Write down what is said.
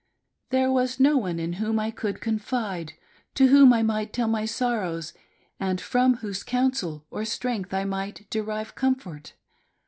There was no one in whom I could confide, to whom I might tell my sorrows, and from whose counsel or strength I might derive comfort.